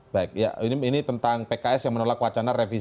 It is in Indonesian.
baik ya ini tentang pks yang menolak wacana revisi